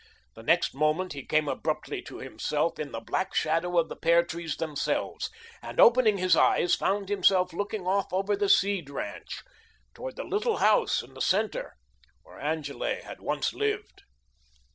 The next moment he came abruptly to himself, in the black shadow of the pear trees themselves, and, opening his eyes, found himself looking off over the Seed ranch, toward the little house in the centre where Angele had once lived.